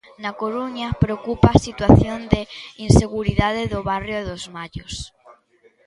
Na Coruña preocupa a situación de inseguridade do barrio dos Mallos.